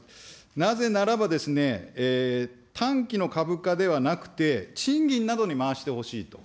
なぜならば、短期の株価ではなくて、賃金などに回してほしいと。